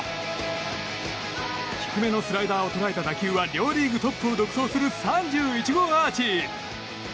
低めのスライダーを捉えた打球は両リーグトップを独走する３１号アーチ！